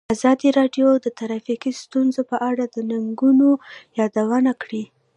ازادي راډیو د ټرافیکي ستونزې په اړه د ننګونو یادونه کړې.